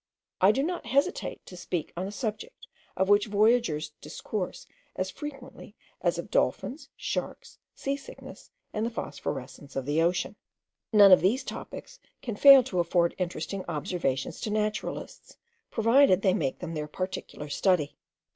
I do not hesitate to speak on a subject of which voyagers discourse as frequently as of dolphins, sharks, sea sickness, and the phosphorescence of the ocean. None of these topics can fail to afford interesting observations to naturalists, provided they make them their particular study.